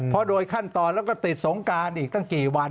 เพราะโดยขั้นตอนแล้วก็ติดสงการอีกตั้งกี่วัน